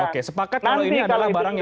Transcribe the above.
oke sepakat kalau ini adalah barangnya